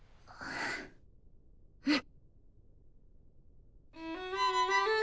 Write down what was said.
うん！